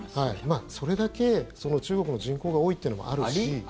それだけ中国の人口が多いっていうのもあるし。